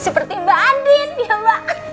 seperti mbak adin ya mbak